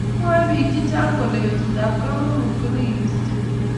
Mwoe bik che chang kole betut ab kamanut ko ne kikisichei